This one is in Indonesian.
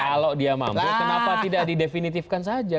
kalau dia mampu kenapa tidak didefinitifkan saja